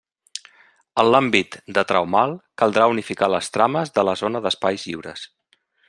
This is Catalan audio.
En l'àmbit de Treumal, caldrà unificar les trames de la zona d'espais lliures.